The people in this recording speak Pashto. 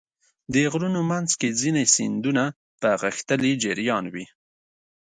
د غرونو منځ کې ځینې سیندونه په غښتلي جریان وي.